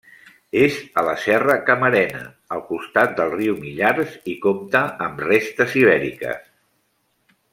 És a la serra Camarena, al costat del riu Millars i compta amb restes ibèriques.